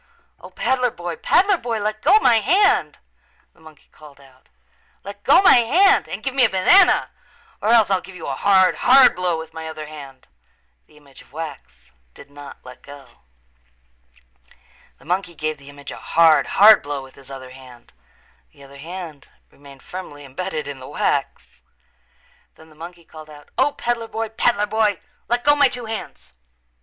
"O, peddler boy, peddler boy, let go my hand," the monkey called out. "Let go my hand and give me a banana or else I'll give you a hard, hard blow with my other hand." The image of wax did not let go. The monkey gave the image a hard, hard blow with his other hand. The other hand remained firmly embedded in the wax. Then the monkey called out, "O, peddler boy, peddler boy, let go my two hands.